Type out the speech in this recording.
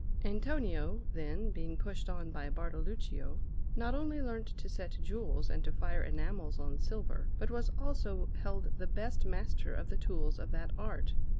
Antonio, then, being pushed on by Bartoluccio, not only learnt to set jewels and to fire enamels on silver, but was also held the best master of the tools of that art.